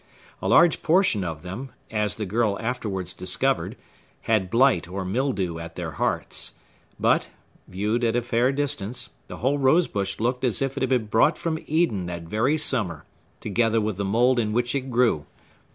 A large portion of them, as the girl afterwards discovered, had blight or mildew at their hearts; but, viewed at a fair distance, the whole rosebush looked as if it had been brought from Eden that very summer, together with the mould in which it grew.